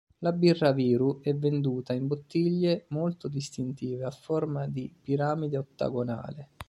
La birra Viru è venduta in bottiglie molto distintive a forma di piramide ottagonale.